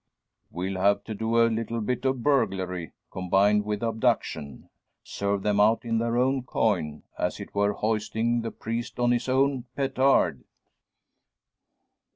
"We'll have to do a little bit of burglary, combined with abduction. Serve them out in their own coin; as it were hoisting the priest on his own petard!"